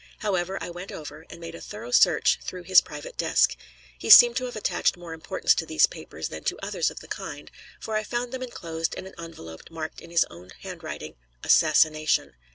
However, I went over, and made a thorough search through his private desk. He seemed to have attached more importance to these papers than to others of the kind, for I found them inclosed in an envelope marked in his own handwriting, "Assassination."